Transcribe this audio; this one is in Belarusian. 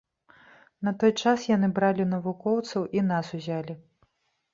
На той час яны бралі навукоўцаў і нас узялі.